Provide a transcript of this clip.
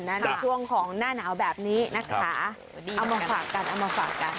ในช่วงของหน้าหนาวแบบนี้นะคะเอามาฝากกันเอามาฝากกัน